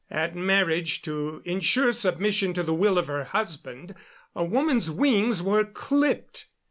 At marriage, to insure submission to the will of her husband, a woman's wings were clipped.